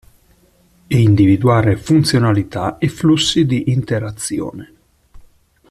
E individuare funzionalità e flussi di interazione.